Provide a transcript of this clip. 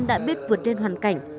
đã biết vượt trên hoàn cảnh